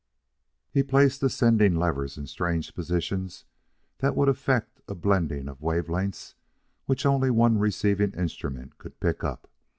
He placed the sending levers in strange positions that would effect a blending of wave lengths which only one receiving instrument could pick up.